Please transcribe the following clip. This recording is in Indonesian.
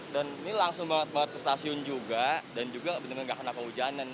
dan ini langsung banget banget ke stasiun juga dan juga benar benar gak kena pehujanan